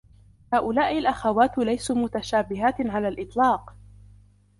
هؤلاء الأخوات ليسوا متشابهات على الإطلاق.